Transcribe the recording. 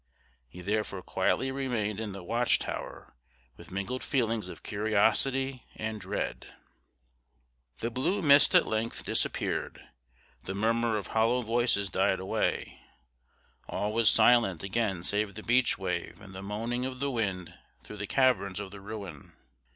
He therefore quietly remained in the watch tower with mingled feelings of curiosity and dread! The blue mist at length disappeared the murmur of hollow voices died away all was silent again save the beach wave and the moaning of the wind through the caverns of the ruin.